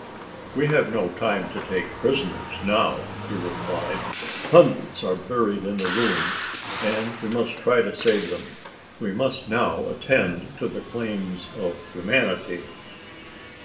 "We have no time to take prisoners now," replied he: "hundreds are buried in the ruins, and we must try to save them. We must now attend to the claims of humanity."